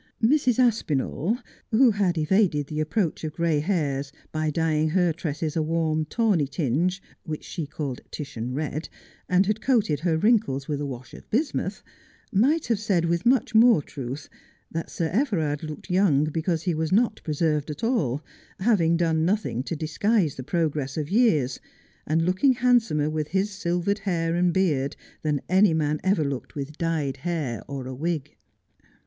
Mrs. Aspinall, who had evaded the approach of gray hairs by dying her tresses a warm tawny tinge, which she called the Titian red, and had coated her wrinkles with a wash of bismuth, might have said with much more truth that Sir Everard looked young because he was not preserved at all, having done nothing to dis guise the progress of years, and looking handsomer with his silvered hair and beard than any man ever looked with dyed hair or a wig.